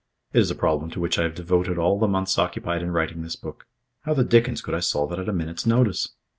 It is a problem to which I have devoted all the months occupied in writing this book. How the dickens could I solve it at a minute's notice?